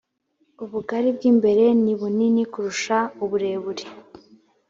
ubugari bw imbere nibunini kurusha uburebure